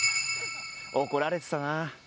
怒られてたなあ。